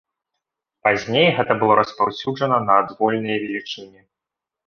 Пазней гэта было распаўсюджана на адвольныя велічыні.